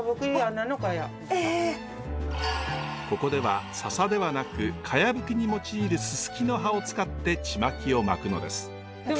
ここでは笹ではなくかやぶきに用いるススキの葉を使ってちまきを巻くのです。